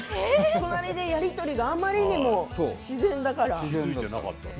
やり取りがあまりにも自然だから。